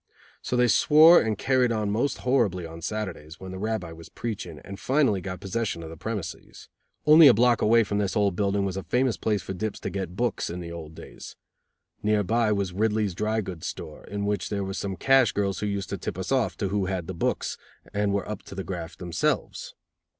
So they swore and carried on most horribly on Saturdays, when the rabbi was preaching, and finally got possession of the premises. Only a block away from this old building was a famous place for dips to get "books", in the old days. Near by was Ridley's dry goods store, in which there were some cash girls who used to tip us off to who had the books, and were up to the graft themselves.